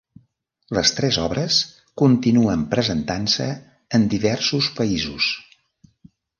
Les tres obres continuen presentant-se en diversos països.